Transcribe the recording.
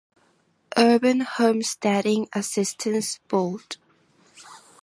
Urban Homesteading Assistance Board